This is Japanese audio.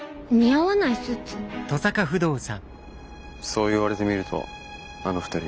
そう言われてみるとあの二人。